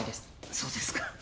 そうですか。